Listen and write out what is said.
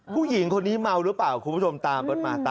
ผู้หญิงคนนี้เมาหรือเปล่าคุณผู้ชมตามเบิร์ตมาตาม